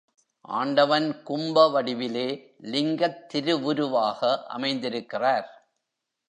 ஆண்டவன் கும்பவடிவிலே லிங்கத் திருவுருவாக அமைந்திருக்கிறார்.